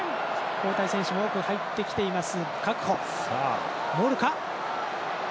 交代選手も多く入ってきています。